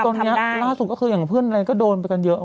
ตอนนี้ล่าสุดก็คืออย่างเพื่อนอะไรก็โดนไปกันเยอะ